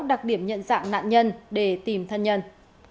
đặc điểm nhận dạng nạn nhân để tìm thân nhân